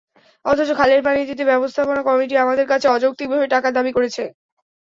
অথচ খালের পানি দিতে ব্যবস্থাপনা কমিটি আমাদের কাছে অযৌক্তিকভাবে টাকা দাবি করছে।